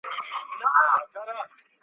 در واري سم ګل اناره چي رانه سې .